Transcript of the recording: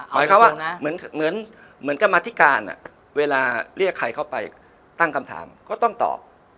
หมายความว่าเหมือนกรรมธิการเวลาเรียกใครเข้าไปตั้งคำถามก็ต้องตอบ